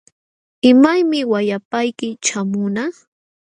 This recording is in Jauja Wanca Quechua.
¿Imaymi wayapayki ćhaamunqa?